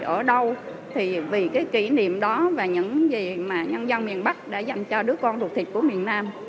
ở đâu thì vì cái kỷ niệm đó và những gì mà nhân dân miền bắc đã dành cho đứa con thuộc thịt của miền nam